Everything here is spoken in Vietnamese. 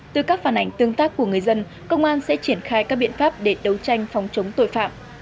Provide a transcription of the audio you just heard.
từ các phản ảnh tương tác của người dân công an sẽ triển khai các biện pháp để đấu tranh phòng chống tội phạm